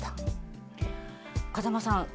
風間さん。